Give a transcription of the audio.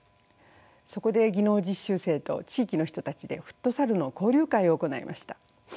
そこで技能実習生と地域の人たちでフットサルの交流会を行いました。